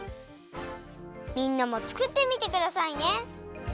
みんなもつくってみてくださいね。